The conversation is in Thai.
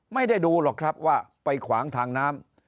ไม่ได้ดูหรอกครับว่าไปขวางทางน้ำ